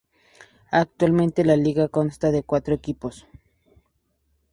Actualmente la liga consta de cuatro equipos.